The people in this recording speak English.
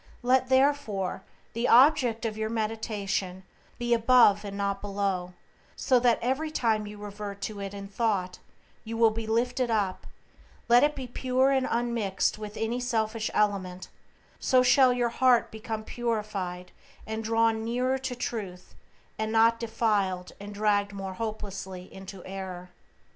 Let, therefore, the object of your meditation be above and not below, so that every time you revert to it in thought you will be lifted up; let it be pure and unmixed with any selfish element; so shall your heart become purified and drawn nearer to Truth, and not defiled and dragged more hopelessly into error.